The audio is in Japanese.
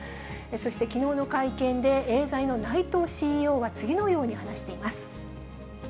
そしてきのうの会見で、エーザイの内藤ＣＥＯは次のように話しています。